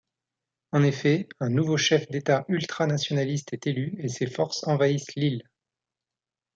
En effet, un nouveau chef d'État ultra-nationaliste est élu et ses forces envahissent l'île.